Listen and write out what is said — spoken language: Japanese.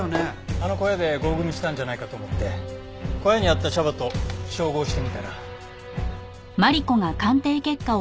あの小屋で合組したんじゃないかと思って小屋にあった茶葉と照合してみたら。